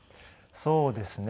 そうですね。